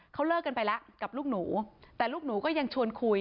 เขาเลิกกันไปแล้วกับลูกหนูแต่ลูกหนูก็ยังชวนคุย